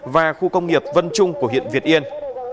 và khu công nghiệp vân trung của huyện việt yên